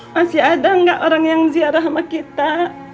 masih ada nggak orang yang ziarah sama kita